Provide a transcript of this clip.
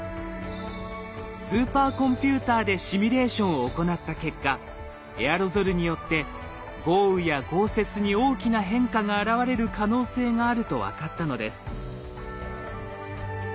スーパーコンピューターでシミュレーションを行った結果エアロゾルによって豪雨や豪雪に大きな変化が現れる可能性があると分かったのです。